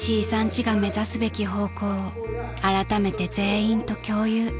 家が目指すべき方向をあらためて全員と共有］